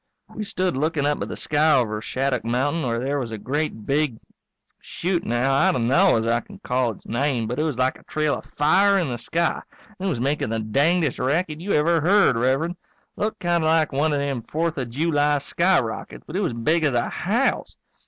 We stood looking up at the sky over Shattuck mountain where there was a great big shoot now, I d'no as I can call its name but it was like a trail of fire in the sky, and it was makin' the dangdest racket you ever heard, Rev'rend. Looked kind of like one of them Fourth of July skyrockets, but it was big as a house.